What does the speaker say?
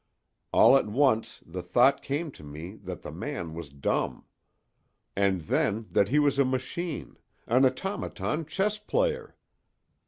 All at once the thought came to me that the man was dumb. And then that he was a machine—an automaton chess player!